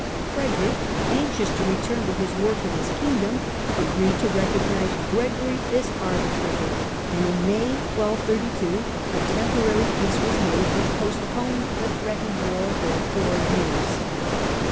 Frederick, anxious to return to his work in his Kingdom, agreed to recognise Gregory as arbitrator, and in May, 1232, a temporary peace was made which postponed the threatened war for four years.